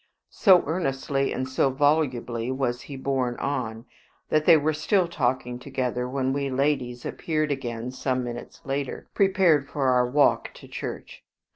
So earnestly and so volubly was he borne on, that they were still talking together when we ladies appeared again some minutes later, prepared for our walk to church.